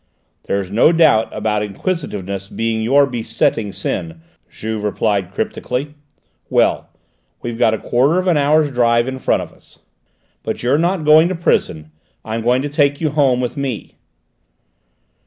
"There's no doubt about inquisitiveness being your besetting sin," Juve replied cryptically. "Well, we've got a quarter of an hour's drive in front of us. But you're not going to prison; I'm going to take you home with me!"